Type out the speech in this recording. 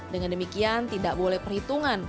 dengan demikian tidak boleh perhitungan